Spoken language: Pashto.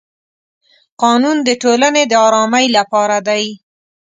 قانون د ټولنې د ارامۍ لپاره دی.